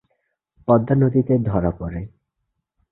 পদ্মা নদীতে ধরা পড়ে।